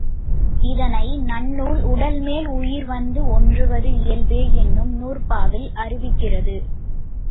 இதனை நன்னூல் உடல்மேல் உயிர்வந்து ஒன்றுவது இயல்பே என்னும் நூற்பாவால் அறிவிக்கிறது.